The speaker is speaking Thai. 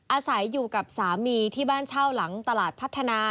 อาศัยอยู่กับสามีที่บ้านเช่าหลังตลาดพัฒนา